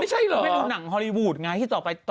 มันเหาะประตูปูดงานที่ต่อไป